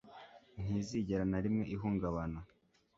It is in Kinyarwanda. ntizigera na rimwe ihungabana